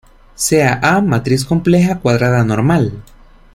Sea "A" matriz compleja cuadrada normal.